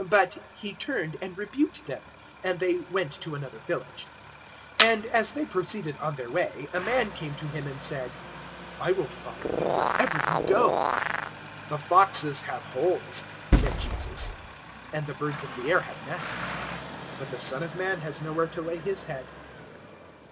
009:055 But He turned and rebuked them. 009:056 And they went to another village. 009:057 And, as they proceeded on their way, a man came to Him and said, "I will follow you wherever you go." 009:058 "The foxes have holes," said Jesus, "and the birds of the air have nests; but the Son of Man has nowhere to lay His head."